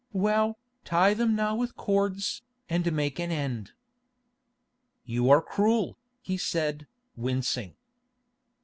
Well, tie them now with cords, and make an end." "You are cruel," he said, wincing.